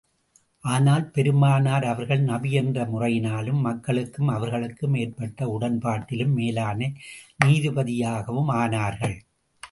அதனால் பெருமானார் அவர்கள் நபி என்ற முறையினாலும், மக்களுக்கும் அவர்களுக்கும் ஏற்பட்ட உடன்பாட்டிலும், மேலான நீதிபதியாகவும் ஆனார்கள்.